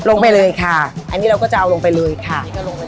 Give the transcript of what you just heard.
ลงไปเลยค่ะอันนี้เราก็จะเอาลงไปเลยค่ะ